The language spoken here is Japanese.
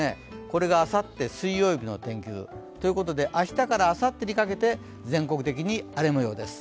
これがあさって、水曜日の天気図ということで、明日からあさってにかけて全国的に荒れ模様です。